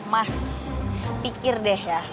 mas pikir deh ya